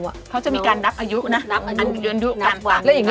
เขาจะมีการนับอายุนะ